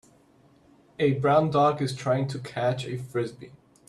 A brown dog is trying to catch a Frisbee.